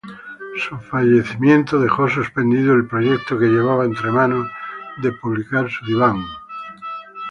Su fallecimiento dejó suspendido el proyecto que llevaba entre manos de publicar su diwan.